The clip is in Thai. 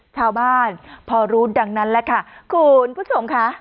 ชาวบ้านพอรู้ดังนั้นแหละค่ะคุณผู้ชมค่ะ